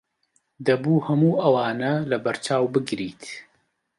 دەبوو هەموو ئەوانە لەبەرچاو بگریت.